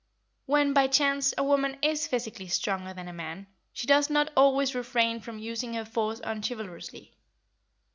When, by chance, a woman is physically stronger than a man, she does not always refrain from using her force unchivalrously.